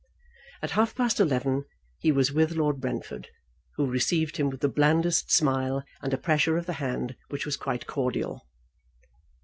At half past eleven he was with Lord Brentford, who received him with the blandest smile and a pressure of the hand which was quite cordial.